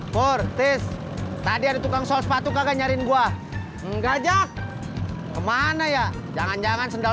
purtis tadi ada tukang sol sepatu kagak nyariin gua enggak jak kemana ya jangan jangan sendal